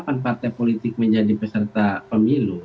pas kependetapan partai politik menjadi peserta pemilu